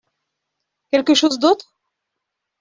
Quelque chose d’autre ?